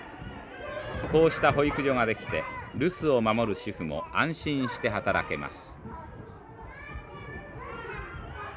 こうした保育所が出来て留守を守る主婦も安心して働けます。